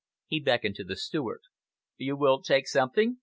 He beckoned to the steward. "You will take something?"